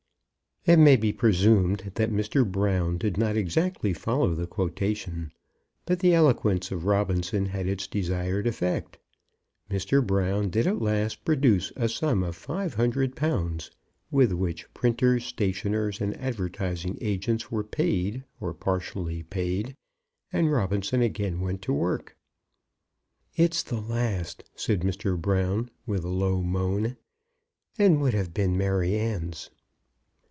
It may be presumed that Mr. Brown did not exactly follow the quotation, but the eloquence of Robinson had its desired effect. Mr. Brown did at last produce a sum of five hundred pounds, with which printers, stationers, and advertising agents were paid or partially paid, and Robinson again went to work. "It's the last," said Mr. Brown, with a low moan, "and would have been Maryanne's!"